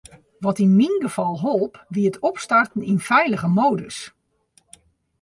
Wat yn myn gefal holp, wie it opstarten yn feilige modus.